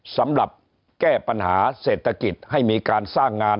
สำหรับแก้ปัญหาเศรษฐกิจให้มีการสร้างงาน